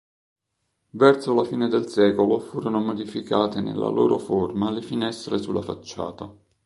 Verso la fine del secolo furono modificate nella loro forma le finestre sulla facciata.